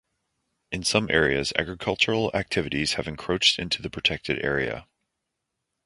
In some areas agricultural activities have encroached into the protected area.